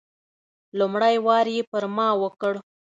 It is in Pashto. لومړی وار یې پر ما وکړ.